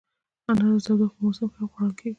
انار د تودوخې په موسم کې هم خوړل کېږي.